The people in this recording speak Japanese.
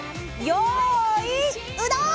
よいうどん！